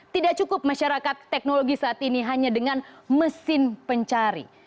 tidak cukup masyarakat teknologi saat ini hanya dengan mesin pencari